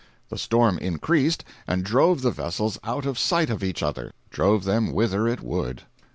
The storm increased and drove the vessels out of sight of each other—drove them whither it would.